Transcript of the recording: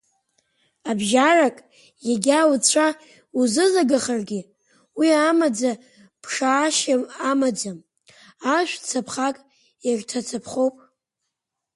Абжьарак, егьа уцәа узызагахаргьы, уи амаӡа ԥшаашьа, амаӡам, ашә цаԥхак ирҭацаԥхоуп.